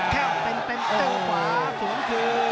แค่เป็นตั้งขวาสวนขึ้น